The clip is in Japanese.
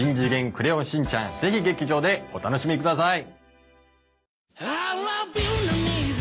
クレヨンしんちゃん』ぜひ劇場でお楽しみください。